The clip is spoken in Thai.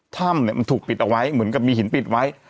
ถ้ำเนี่ยมันถูกปิดเอาไว้เหมือนกับมีหินปิดไว้